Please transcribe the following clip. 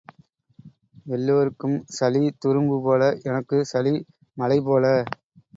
எல்லாருக்கும் சளி துரும்பு போல எனக்குச் சளி மலை போல.